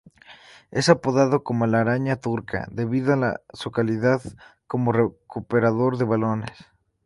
Es apodado como la "araña turca" debido a su calidad como recuperador de balones.